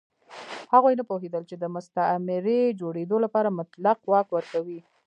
هغوی نه پوهېدل چې د مستعمرې جوړېدو لپاره مطلق واک ورکوي.